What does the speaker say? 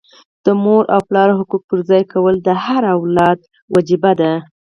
د مور او پلار حقوق پرځای کول د هر اولاد وجیبه ده.